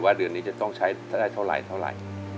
ว่าเดือนนี้จะต้องใช้เท่าไร